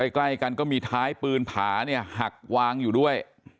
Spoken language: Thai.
ใกล้กันก็มีท้ายปืนผาเนี่ยหักวางอยู่ด้วย